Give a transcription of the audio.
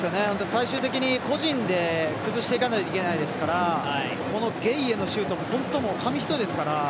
最終的に個人で崩していかなきゃいけないですからこのゲイエのシュートは本当紙一重ですから。